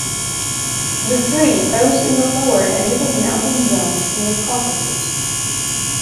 The tree grows in the lower and middle mountain zones in the Caucasus.